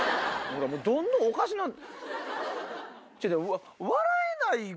どんどんおかしなってる。